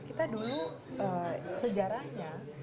kita dulu sejarahnya banyak sekali berbicara tentang